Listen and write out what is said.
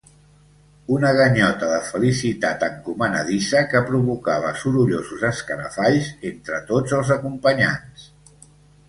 Una ganyota de felicitat encomanadissa que provocava sorollosos escarafalls entre tots els acompanyants.